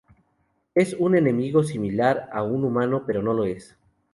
Es un enemigo similar a un humano pero no lo es.